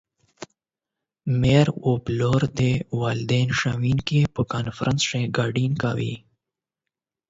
مور او پلار د والدین - ښوونکو په کنفرانس کې ګډون کوي.